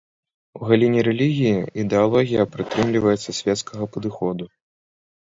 У галіне рэлігіі ідэалогія прытрымліваецца свецкага падыходу.